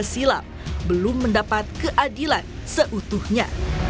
enam belas silam belum mendapat keadilan seutuhnya